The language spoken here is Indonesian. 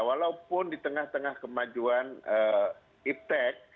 walaupun di tengah tengah kemajuan iptec